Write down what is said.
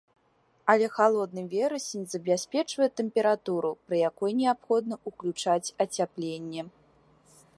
Але халодны верасень забяспечвае тэмпературу, пры якой неабходна ўключаць ацяпленне.